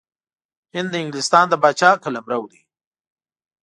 هند د انګلستان د پاچا قلمرو دی.